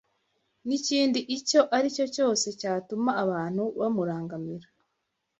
n’ikindi icyo ari cyo cyose cyatuma abantu bamurangamira